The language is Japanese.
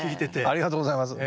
ありがとうございます。